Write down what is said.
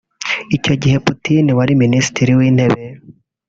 Icyo gihe Putin wari Minisitiri w’Intebe